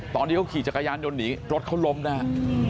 ตอนที่เขาขี่จักรยานยนต์หนีรถเขาล้มนะฮะ